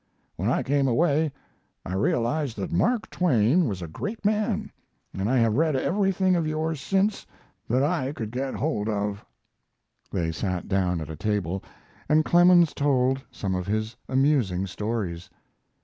When I came away I realized that Mark Twain was a great man, and I have read everything of yours since that I could get hold of." They sat down at a table, and Clemens told some of his amusing stories.